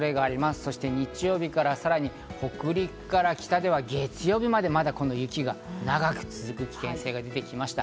そして日曜日から、さらに北陸から北では月曜日まで、まだ雪が長く続く危険性が出てきました。